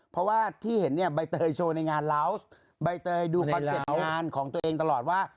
เพราะว่าที่เห็นเนี่ยใบเตยโชว์ในงานลาวส์ใบเตยดูคอนเซ็ปต์งานของตัวเองตลอดว่า